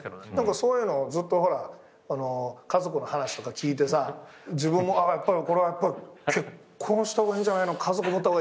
そういうのずっとほら家族の話とか聞いてさ自分もやっぱりこれは結婚した方がいいんじゃないの家族持った方がいいんじゃ。